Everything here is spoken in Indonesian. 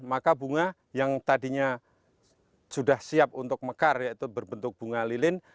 maka bunga yang tadinya sudah siap untuk mekar yaitu berbentuk bunga lilin